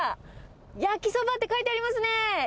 やきそばって書いてありますね。